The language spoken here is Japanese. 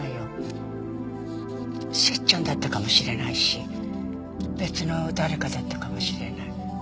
セッちゃんだったかもしれないし別の誰かだったかもしれない。